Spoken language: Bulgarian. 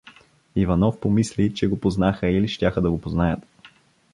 Иванов помисли, че го познаха или щяха да го познаят.